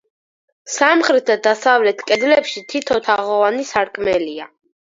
სამხრეთ და დასავლეთ კედლებში თითო თაღოვანი სარკმელია.